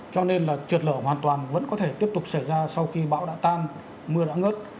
cho nên là trượt lở hoàn toàn vẫn có thể tiếp tục xảy ra sau khi bão đã tan mưa đã ngớt